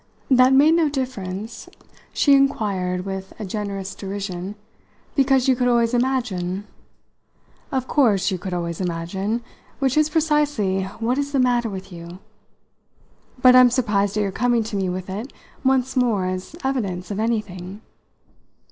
"That made no difference," she inquired with a generous derision, "because you could always imagine? Of course you could always imagine which is precisely what is the matter with you! But I'm surprised at your coming to me with it once more as evidence of anything."